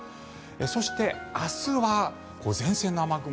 そして明日は前線の雨雲